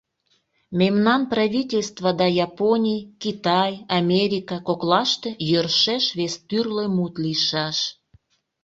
Мемнан правительство да Японий, Китай, Америка коклаште йӧршеш вес тӱрлӧ мут лийшаш.